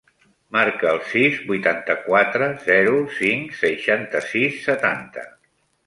Marca el sis, vuitanta-quatre, zero, cinc, seixanta-sis, setanta.